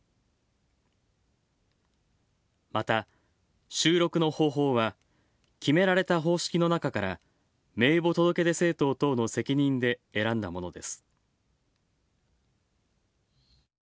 また、収録の方法は決められた方式の中から名簿届出政党等の責任で選んだものです。